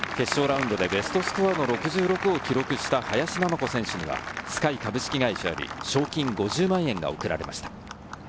ベストスコアの６６を記録した林菜乃子選手には、Ｓｋｙ株式会社より賞金５０万円が贈られました。